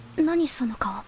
その顔